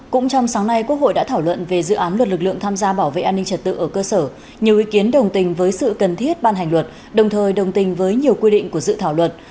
cũng trong sáng nay quốc hội đã thảo luận về dự án luật lực lượng tham gia bảo vệ an ninh trật tự ở cơ sở nhiều ý kiến đồng tình với sự cần thiết ban hành luật đồng thời đồng tình với nhiều quy định của dự thảo luật